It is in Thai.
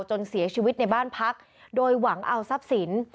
จนเสียชีวิตในบ้านพักโดยหวังเอาทรัพย์สิน